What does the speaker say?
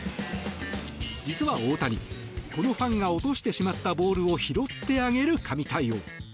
実は大谷、このファンが落としてしまったボールを拾ってあげる神対応。